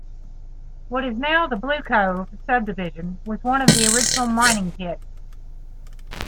What is now the 'Blue Cove' subdivision, was one of the original mining pits.